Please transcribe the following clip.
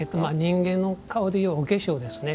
人間の顔で言うお化粧ですね。